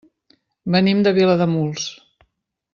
Venim de Vilademuls.